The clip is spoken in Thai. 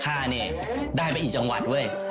ค่าเนี่ยได้ไปอีกจังหวัดเว้ย